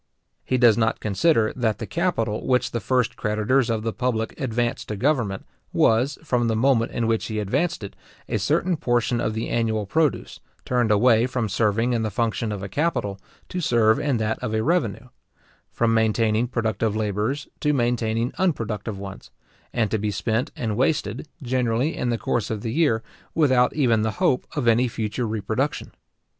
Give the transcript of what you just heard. He does not consider that the capital which the first creditors of the public advanced to government, was, from the moment in which he advanced it, a certain portion of the annual produce, turned away from serving in the function of a capital, to serve in that of a revenue; from maintaining productive labourers, to maintain unproductive ones, and to be spent and wasted, generally in the course of the year, without even the hope of any future reproduction.